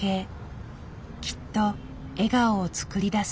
きっと笑顔を作り出す。